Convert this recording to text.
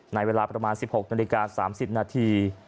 ในเวลาประมาณ๑๖นาฬิกา๓๐นาที